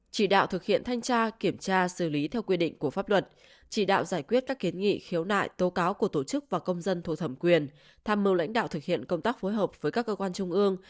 chỉ đạo thực hiện thanh tra kiểm tra xử lý theo quy định của pháp luật chỉ đạo giải quyết các kiến nghị khiếu nại tố cáo của tổ chức và công dân thuộc thẩm quyền tham mưu lãnh đạo thực hiện công tác phối hợp với các cơ quan trung ương